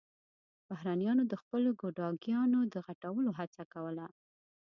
بهرنيانو د خپلو ګوډاګيانو د غټولو هڅه کوله.